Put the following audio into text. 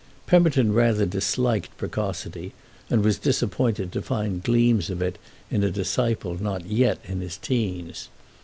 Pemberton rather disliked precocity and was disappointed to find gleams of it in a disciple not yet in his teens.